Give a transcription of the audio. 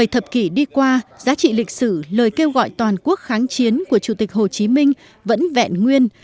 bảy thập kỷ đi qua giá trị lịch sử lời kêu gọi toàn quốc kháng chiến của chủ tịch hồ chí minh vẫn vẹn nguyên